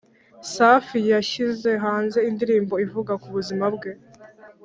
safi yashyize hanze indirimbo ivuga kubuzima bwe